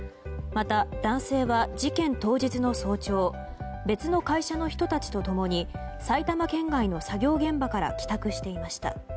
また男性は事件当日の早朝別の会社の人たちと共に埼玉県外の作業現場から帰宅していました。